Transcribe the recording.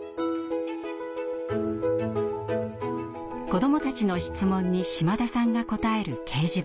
子どもたちの質問に島田さんが答える掲示板です。